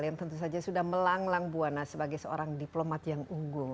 yang tentu saja sudah melanglang buana sebagai seorang diplomat yang unggul